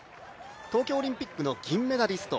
東京オリンピックの銀メダリスト